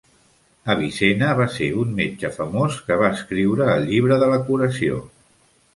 Avicenna va ser un metge famós que va escriure el Llibre de la curació.